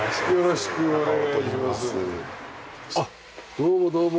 どうもどうも。